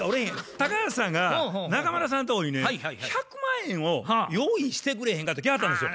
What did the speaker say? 高橋さんが中村さんとこにね１００万円を用意してくれへんかと来はったんですよ。